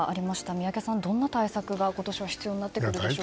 宮家さん、どんな対策が今年は必要になってくるでしょうか。